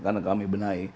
karena kami benahi